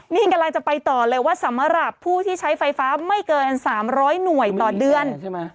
นี่กำลังจะไปต่อเลยว่าสำหรับผู้ที่ใช้ไฟฟ้าไม่เกิน๓๐๐หน่วยต่อเดือนใช่ไหม